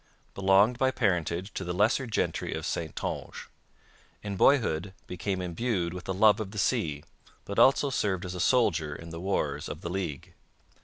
Belonged by parentage to the lesser gentry of Saintonge. In boyhood became imbued with a love of the sea, but also served as a soldier in the Wars of the League.